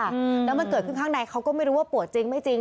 อืมแล้วมันเกิดขึ้นข้างในเขาก็ไม่รู้ว่าปวดจริงไม่จริง